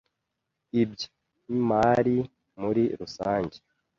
iby imari muri rusange